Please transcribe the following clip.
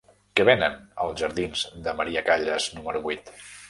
Què venen als jardins de Maria Callas número vuit?